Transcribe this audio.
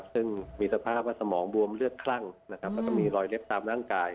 ซึ่งมีสภาพสมองบวมเลือกคลั่งมีรอยเล็กตามร่างกาย